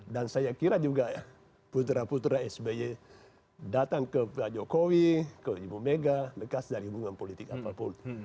dan saya kira juga putra putra sby datang ke pak jokowi ke ibu mega lepas dari hubungan politik apapun